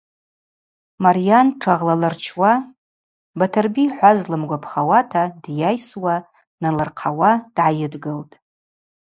Марйан тшагъралырчуа, Батырби йхаз лгвампхауата дйайсуа, дналырхъауа дгӏайыдгылтӏ.